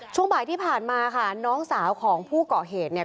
ช่วงบ่ายที่ผ่านมาค่ะน้องสาวของผู้เกาะเหตุเนี่ย